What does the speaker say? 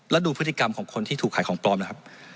แล้วดูพฤติกรรมของคนที่ถูกขายของปลอมนะครับ